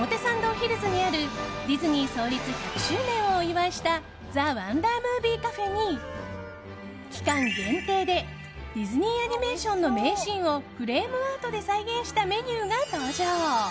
ヒルズにあるディズニー創立１００周年をお祝いしたＴｈｅＷｏｎｄｅｒＭｏｖｉｅＣＡＦＥに期間限定でディズニーアニメーションの名シーンをフレームアートで再現したメニューが登場。